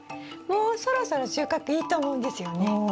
もうそろそろ収穫いいと思うんですよね。